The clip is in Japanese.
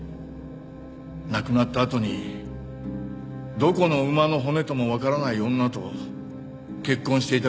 亡くなったあとにどこの馬の骨ともわからない女と結婚していた事を知りました。